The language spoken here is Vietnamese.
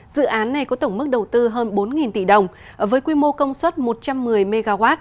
dự án này có tổng mức đầu tư hơn bốn tỷ đồng với quy mô công suất một trăm một mươi mw